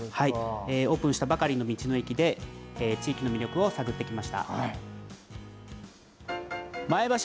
オープンしたばかりの道の駅で、地域の魅力を探ってきました。